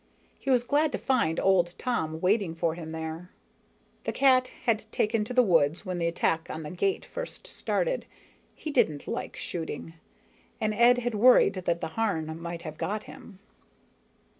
He was glad to find old Tom waiting for him there. The cat had taken to the woods when the attack on the gate first started, he didn't like shooting, and Ed had worried that the Harn might have got him.